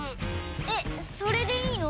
えっそれでいいの？